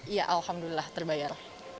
iya alhamdulillah terbayar